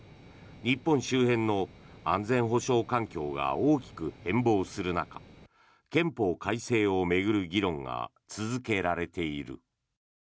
日本周辺の安全保障環境が大きく変ぼうする中憲法改正を巡る議論が続けられている。